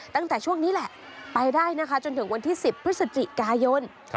ตั้งแต่ช่วงนี้แหละไปได้นะคะจนถึงวันที่๑๐พฤศจิกายน